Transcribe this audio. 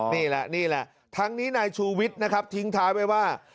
นี่แหละนี่แหละทั้งนี้นายชูวิทย์นะครับทิ้งท้ายไว้ว่า